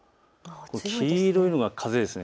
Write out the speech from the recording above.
黄色いのが風です。